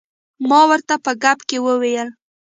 ما ورته په ګپ کې وویل.